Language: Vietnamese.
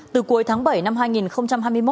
từ cuối tháng bảy năm hai nghìn hai mươi một